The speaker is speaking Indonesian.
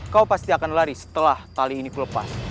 kau pasti akan lari setelah tali ini kulepas